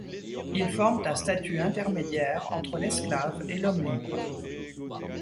Ils forment un statu intermédiaire entre l'esclave et l'homme libre.